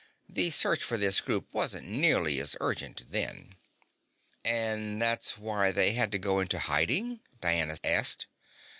The search for this group wasn't nearly as urgent then." "And that's why they had to go into hiding?" Diana asked.